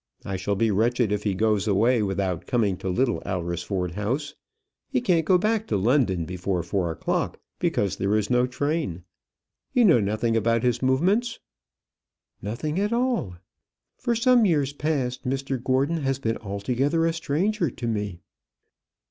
I shall be wretched if he goes away without coming to Little Alresford House. He can't go back to London before four o'clock, because there is no train. You know nothing about his movements?" "Nothing at all. For some years past Mr Gordon has been altogether a stranger to me."